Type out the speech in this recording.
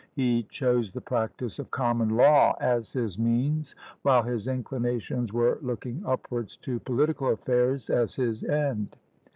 He chose the practice of common law as his means, while his inclinations were looking upwards to political affairs as his end.